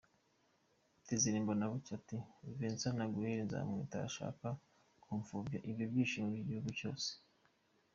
Désiré Mbonabucya ati: Vincent De Gaulle Nzamwita arashaka gupfobya ibyo byishimo by’igihugu cyose?